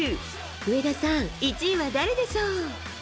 上田さん、１位は誰でしょう？